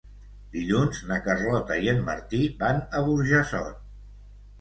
Dilluns na Carlota i en Martí van a Burjassot.